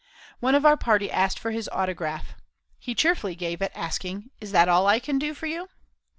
One of our party asked for his autograph; he cheerfully gave it, asking, "Is that all I can do for you?"